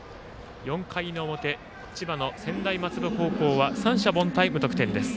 ４回の表千葉の専大松戸高校は三者凡退、無得点です。